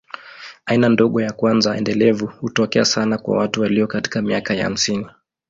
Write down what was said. Aina ndogo ya kwanza endelevu hutokea sana kwa watu walio katika miaka ya hamsini.